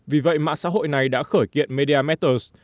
vì vậy mạng xã hội này đã khởi kiện media master